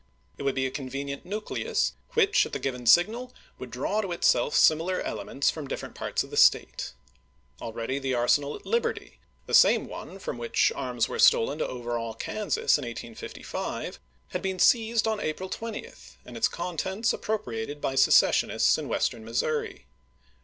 It would be a convenient nucleus which at the given signal would draw to itself similar elements from different parts of the State. Already the arsenal at Liberty — the same one from which arms were stolen to overawe Kansas in 1855 — had been seized on April 20 and im. its contents appropriated by secessionists in west= ern Missouri.